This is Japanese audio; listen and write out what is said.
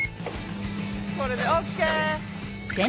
これでオッケー！